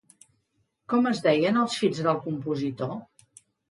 Com es deien els fills del compositor?